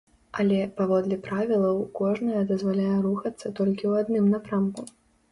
Але, паводле правілаў, кожная дазваляе рухацца толькі ў адным напрамку.